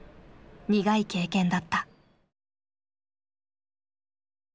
苦い経験だった。